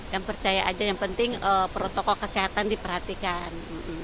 dan percaya aja yang penting protokol kesehatan diperhatikan